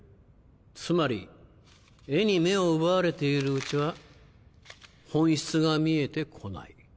つまり絵に目を奪われているうちは本質が見えて来ない。